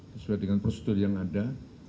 sesuai dengan prosedur yang ada